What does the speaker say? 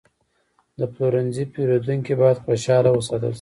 د پلورنځي پیرودونکي باید خوشحاله وساتل شي.